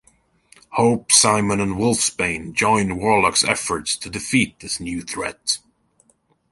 Hope, Psimon and Wolfsbane join Warlock's efforts to defeat this new threat.